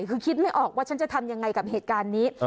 คือคิดไม่ออกว่าฉันจะทำยังไงกับเหตุการณ์นี้